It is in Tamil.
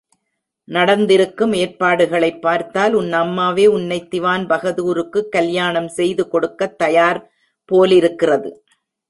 நடந்திருக்கும் ஏற்பாடுகளைப் பார்த்தால் உன் அம்மாவே உன்னைத் திவான் பகதூருக்குக் கல்யாணம் செய்து கொடுக்கத் தயார் போலிருக்கிறது.